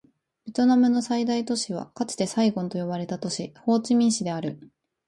ベトナムの最大都市はかつてサイゴンと呼ばれた都市、ホーチミン市である